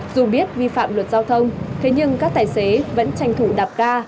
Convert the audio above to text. dù biết vi phạm luật giao thông thế nhưng các tài xế vẫn tranh thủ đạp ga